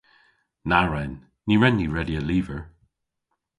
Na wren. Ny wren ni redya lyver.